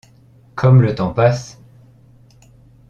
Comme le temps passe !